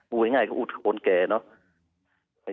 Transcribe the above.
คุยง่ายก็อุดคนแก่เนอะ